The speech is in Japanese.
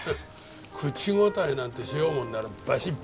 口答えなんてしようもんならバシッ！